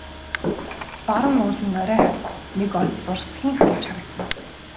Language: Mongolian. Баруун уулын орой хавьд нэг од зурсхийн харваж харагдана.